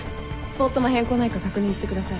スポットの変更ないか確認してください。